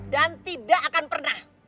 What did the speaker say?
dan tidak akan pernah